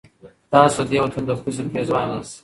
تاسو د دې وطن د پوزې پېزوان یاست.